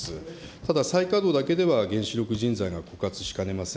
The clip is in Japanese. ただ、再稼働だけでは原子力人材が枯渇しかねません。